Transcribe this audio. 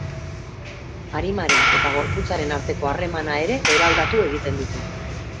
Arimaren eta gorputzaren arteko harremana ere eraldatu egiten ditu.